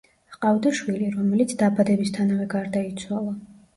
ჰყავდა შვილი, რომელიც დაბადებისთანავე გარდაიცვალა.